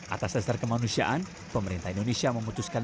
atas dasar kemanusiaan pemerintah indonesia memutuskan